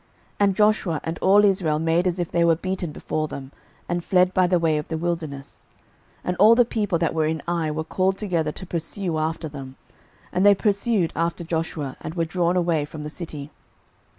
06:008:015 And Joshua and all Israel made as if they were beaten before them, and fled by the way of the wilderness. 06:008:016 And all the people that were in Ai were called together to pursue after them: and they pursued after Joshua, and were drawn away from the city.